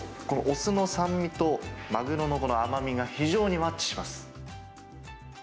このお酢の酸味と、マグロの甘みが非常にマッチします。